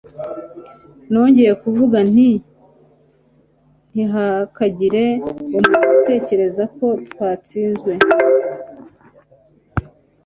nongeye kuvuga nti ntihakagire umuntu utekereza ko twatsinzwe